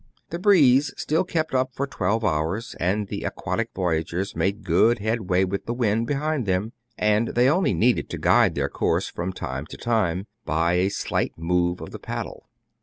The breeze still kept up for twelve hours, and the aquatic voyagers made good headway with the wind behind them ; and they only needed to guide their course from time to time by a slight move of the paddle.